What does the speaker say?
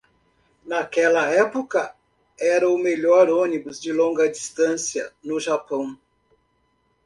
Naquela época, era o melhor ônibus de longa distância no Japão.